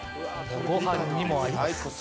「ご飯にも合います」